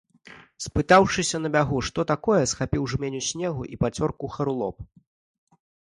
Спытаўшыся на бягу, што такое, схапіў жменю снегу і пацёр кухару лоб.